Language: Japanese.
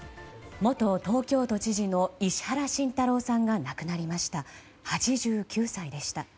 元東京都知事の石原慎太郎さんが亡くなりました。